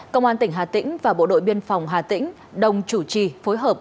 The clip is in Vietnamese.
công an tỉnh hà tĩnh và bộ đội biên phòng hà tĩnh đồng chủ trì phối hợp